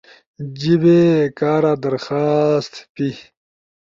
جیِبے کارا درخواست، پی